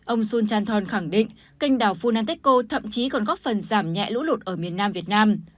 ông sun chanthol khẳng định kênh đảo funanteko thậm chí còn góp phần giảm nhẹ lũ lụt ở miền nam việt nam